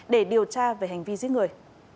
để điều tra về hành vi giết người